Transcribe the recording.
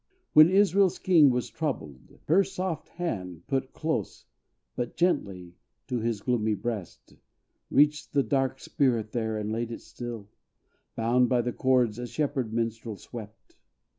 When Israel's king was troubled, her soft hand Put close, but gently, to his gloomy breast, Reached the dark spirit there, and laid it still, Bound by the chords a shepherd minstrel swept.